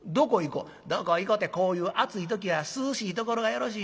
「どこ行こてこういう暑い時は涼しいところがよろしいねん。